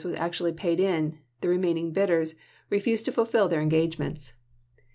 was actually paid in; the remaining bidders re fused to fulfill their engagements.